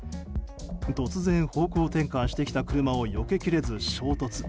突然、方向転換してきた車をよけきれず衝突。